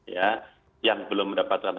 ya yang belum mendapatkan